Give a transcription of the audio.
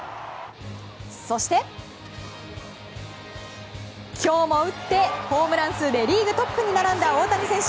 そして今日も打ってホームラン数リーグトップに並んだ大谷選手。